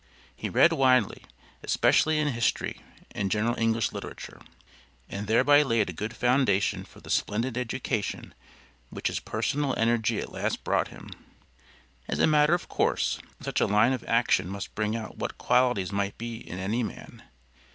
He read widely, especially in history and general English literature, and thereby laid a good foundation for the splendid education which his personal energy at last brought him. As a matter of course, such a line of action must bring out what qualities might be in any man.